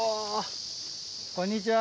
こんにちは。